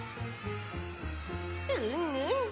うんうん。